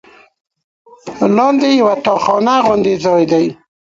لاندې یوه تاخانه غوندې ځای دی.